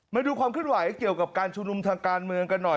มาดูความขึ้นไหวเกี่ยวกับการชุมนุมทางการเมืองกันหน่อย